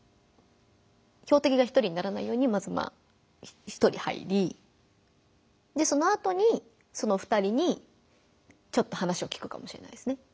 標的が１人にならないようにまずまあ１人入りそのあとにその２人にちょっと話を聞くかもしれないですね。